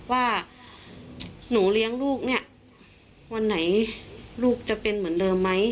ว่าหนูเลี้ยงลูกเนี่ยวันไหนลูกจะเป็นเหมือนเดิมไหม